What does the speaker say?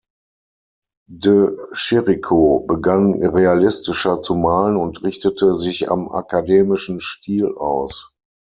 De Chirico begann realistischer zu malen und richtete sich am akademischen Stil aus.